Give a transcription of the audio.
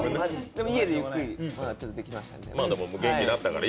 でも家でゆっくりできましたから。